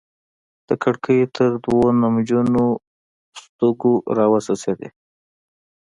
د کړکۍ تر دوو نمجنو ستوګو راوڅڅيدې